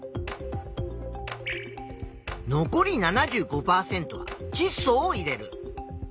残り７５％はちっ素を入れる。